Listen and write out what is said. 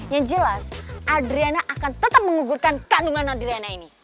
yang jelas adriana akan tetap mengugurkan kandungan adriana ini